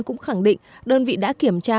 cũng khẳng định đơn vị đã kiểm tra